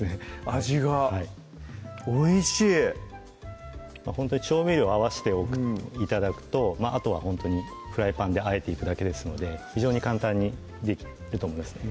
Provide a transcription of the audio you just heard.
味がおいしいほんとに調味料合わして頂くとあとはほんとにフライパンであえていくだけですので非常に簡単にできると思いますね